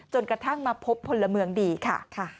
กระทั่งมาพบพลเมืองดีค่ะ